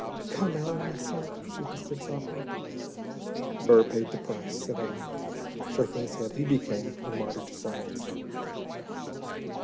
"Come, Allen, my son," she said softly. "Burr paid the price," said Allen, shaking his head. "He became a martyr to science."